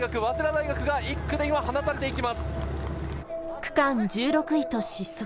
区間１６位と失速。